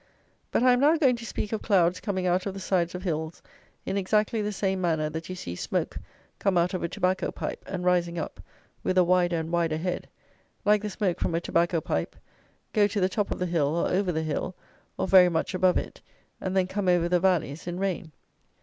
But I am now going to speak of clouds coming out of the sides of hills in exactly the same manner that you see smoke come out of a tobacco pipe, and rising up, with a wider and wider head, like the smoke from a tobacco pipe, go to the top of the hill or over the hill, or very much above it, and then come over the valleys in rain.